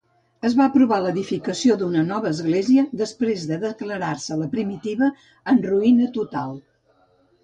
Es va aprovar l'edificació d'una nova església després de declarar-se la primitiva en ruïna total.